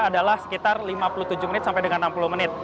adalah sekitar lima puluh tujuh menit sampai dengan enam puluh menit